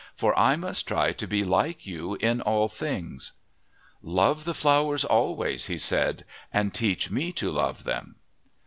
For I must try to be like you in all things." "Love the flowers always," he said. "And teach me to love them."